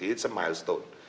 ini adalah milestone